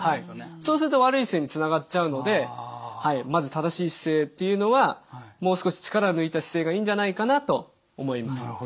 そうすると悪い姿勢につながっちゃうのでまず正しい姿勢っていうのはもう少し力を抜いた姿勢がいいんじゃないかなと思います。